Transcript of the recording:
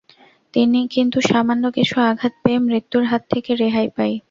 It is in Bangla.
কিন্তু সামান্য কিছু আঘাত পেয়ে মৃত্যুর হাত থেকে রেহাই পাই।